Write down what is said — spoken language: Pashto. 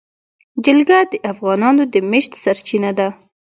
جلګه د افغانانو د معیشت سرچینه ده.